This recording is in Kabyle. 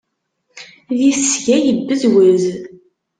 Di tesga yebbezwez.